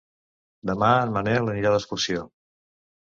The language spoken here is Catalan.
Demà en Manel anirà d'excursió.